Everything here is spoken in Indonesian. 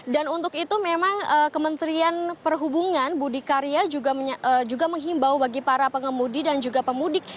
untuk itu memang kementerian perhubungan budi karya juga menghimbau bagi para pengemudi dan juga pemudik